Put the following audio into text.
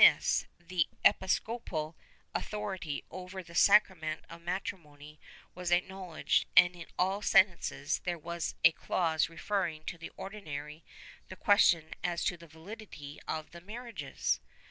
XIV] PENALTIES 321 the episcopal authority over the sacrament of matrimony was acknowledged and, in all sentences, there was a clause referring to the Ordinary the question as to the validity of the marriages.